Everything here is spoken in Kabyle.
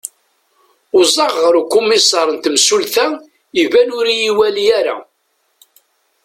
uẓaɣ ɣer ukumisar n temsulta iban ur iyi-iwali ara